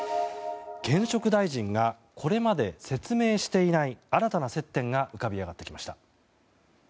現職大臣がこれまで説明していない新たな接点が浮かび上がってきました。